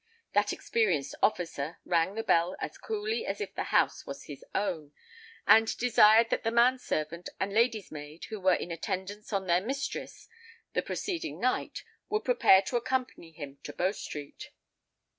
That experienced officer rang the bell as coolly as if the house was his own, and desired that the man servant and lady's maid, who were in attendance on their mistress the preceding night, would prepare to accompany him to Bow Street.